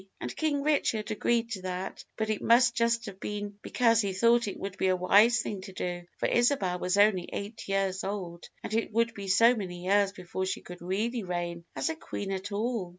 "And King Richard agreed to that; but it must just have been because he thought it would be a wise thing to do, for Isabel was only eight years old, and it would be so many years before she could really reign as a queen at all.